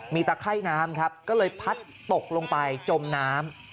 มีตะไข้น้ำครับก็เลยพัดตกลงไปจมน้ำ